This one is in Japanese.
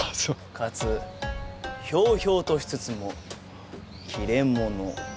かつひょうひょうとしつつも切れ者。